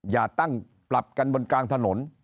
อย่าตั้งปรับกันบนกลางถนน